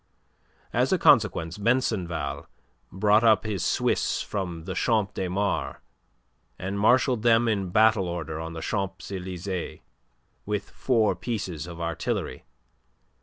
As a consequence Besenval brought up his Swiss from the Champ de Mars and marshalled them in battle order on the Champs Elysees with four pieces of artillery.